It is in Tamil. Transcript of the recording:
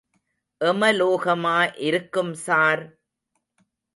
எமலோகமா இருக்கும் சார்!